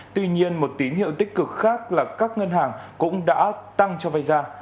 tuy nhiên một tín hiệu tích cực khác là các ngân hàng cũng đã tăng cho vay ra